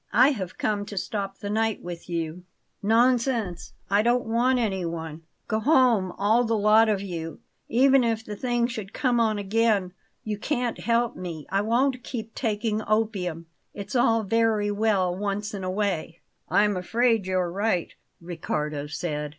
"I have come to stop the night with you." "Nonsense! I don't want anyone. Go home, all the lot of you. Even if the thing should come on again, you can't help me; I won't keep taking opium. It's all very well once in a way." "I'm afraid you're right," Riccardo said.